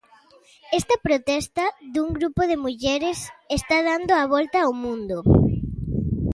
Esta protesta, dun grupo de mulleres, está dando a volta ao mundo.